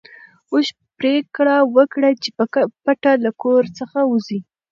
اوښ پرېکړه وکړه چې په پټه له کور څخه ووځي.